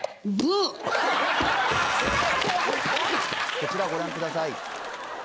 こちらご覧ください